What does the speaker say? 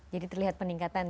jadi terlihat peningkatan ya